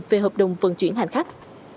về hợp đồng vận chuyển hành khách